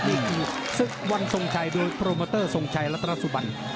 นี่คือศึกวันทรงชัยโดยโปรโมเตอร์ทรงชัยรัตนสุบัน